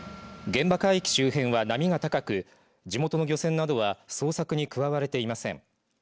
現場海域周辺は波が高く地元の漁船などは捜索に加われていません。